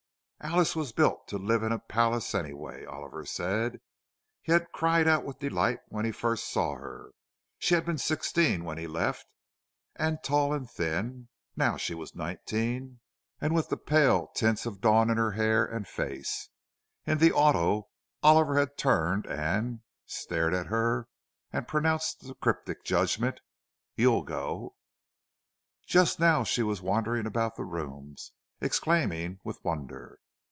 Alice was built to live in a palace, anyway, Oliver said. He had cried out with delight when he first saw her. She had been sixteen when he left, and tall and thin; now she was nineteen, and with the pale tints of the dawn in her hair and face. In the auto, Oliver had turned and, stared at her, and pronounced the cryptic judgment, "You'll go!" Just now she was wandering about the rooms, exclaiming with wonder.